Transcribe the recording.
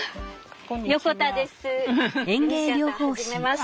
横田です。